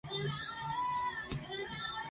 Este nivel es el nivel final, o nivel bonus.